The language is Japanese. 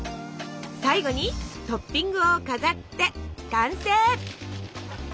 最後にトッピングを飾って完成。